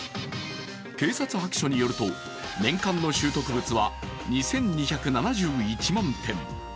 警察白書によると、年間の拾得物は２２７１万点。